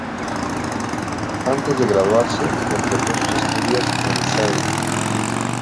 Antes de graduarse, completó sus estudios en el "St.